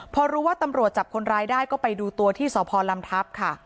พอรู้ว่าตำรวจจับคนร้ายได้ก็ไปดูตัวที่สพลำทัพค่ะ